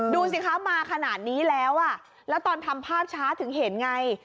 ดูสิคะมาขนาดนี้แล้วอ่ะแล้วแล้วตอนทำภาพช้าถึงเห็นไง